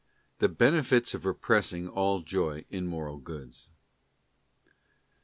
The benefits of repressing all Joy in Moral Goods.